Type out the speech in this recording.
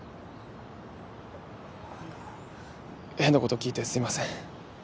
変なこと聞いてすいません。